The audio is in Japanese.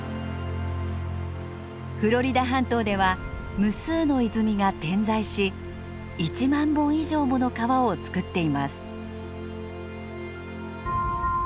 フロリダ半島では無数の泉が点在し１万本以上もの川をつくっています。